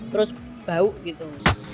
terus bau gitu